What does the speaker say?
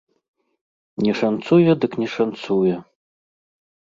Не шанцуе дык не шанцуе.